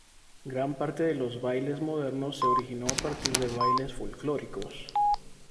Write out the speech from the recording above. Gran parte de los bailes modernos se originó a partir de bailes folclóricos.